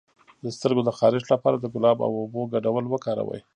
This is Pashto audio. د سترګو د خارښ لپاره د ګلاب او اوبو ګډول وکاروئ